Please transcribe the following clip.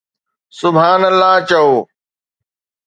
سبحان الله چئو